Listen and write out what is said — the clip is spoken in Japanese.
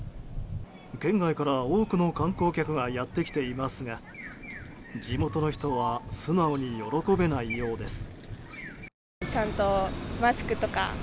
県外から、多くの観光客がやってきていますが地元の人は素直に喜べないようです。